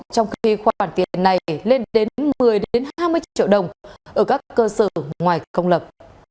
trong khi khoản tiền này lên đến một mươi hai mươi triệu đồng ở các cơ sở ngoài công lập